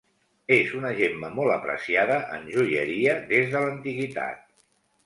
És una gemma molt apreciada en joieria des de l'antiguitat.